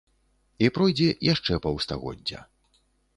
І пройдзе яшчэ паўстагоддзя.